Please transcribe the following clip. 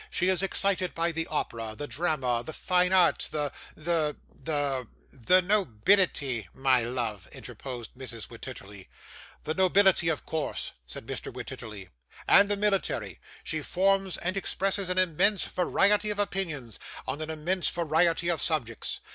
She is excited by the opera, the drama, the fine arts, the the the ' 'The nobility, my love,' interposed Mrs. Wititterly. 'The nobility, of course,' said Mr. Wititterly. 'And the military. She forms and expresses an immense variety of opinions on an immense variety of subjects.